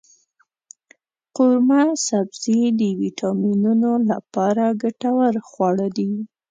قورمه سبزي د ویټامینونو لپاره ګټور خواړه دی.